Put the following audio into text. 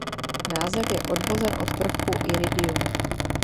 Název je odvozen od prvku Iridium.